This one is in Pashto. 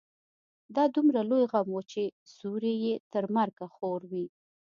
دا دومره لوی غم و چې سيوری يې تر مرګه خور وي.